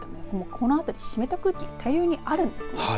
この辺り湿った空気大量にあるんです。